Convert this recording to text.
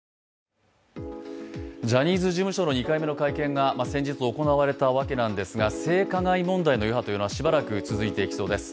ジャニーズ事務所の２回目の会見が先日行われたわけですが性加害問題の余波というのはしばらく続いていきそうです。